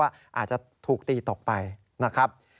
อาจจะถูกตีตกไปนะครับ